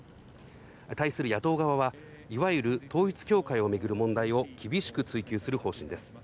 対する野党側はいわゆる統一教会を巡る問題を厳しく追及する方針です。